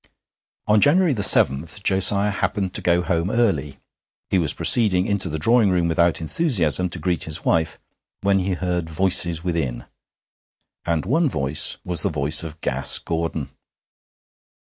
On January 7 Josiah happened to go home early. He was proceeding into the drawing room without enthusiasm to greet his wife, when he heard voices within; and one voice was the voice of Gas Gordon.